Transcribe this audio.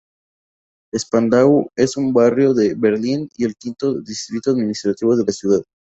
Spandau es un barrio de Berlín y el quinto distrito administrativo de la ciudad.